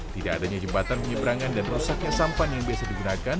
tidak adanya jembatan penyeberangan dan rusaknya sampan yang biasa digunakan